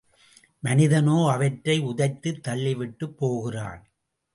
மனிதனோ அவற்றை உதைத்துத் தள்ளிவிட்டுப் போகிறான்.